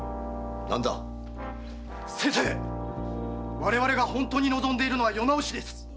我々が本当に望んでいるのは“世直し”です！